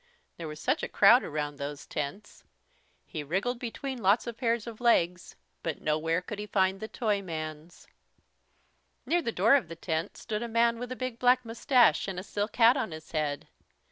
There was such a crowd around those tents! He wriggled between lots of pairs of legs, but nowhere could he find the Toyman's. Near the door of the tent stood a man with a big black moustache, and a silk hat on his head.